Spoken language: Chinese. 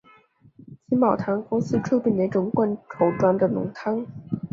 金宝汤公司出品的一种罐头装的浓汤。